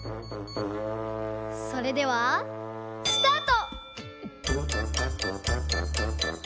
それではスタート！